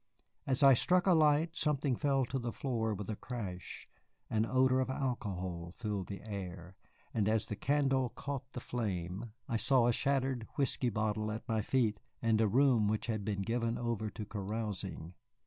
As I struck a light something fell to the floor with a crash, an odor of alcohol filled the air, and as the candle caught the flame I saw a shattered whiskey bottle at my feet and a room which had been given over to carousing.